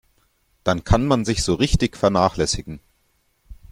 Dann kann man sich so richtig vernachlässigen.